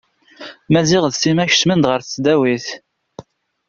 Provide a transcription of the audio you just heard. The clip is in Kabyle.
Maziɣ d Sima kecmen-d ɣer tesdawit.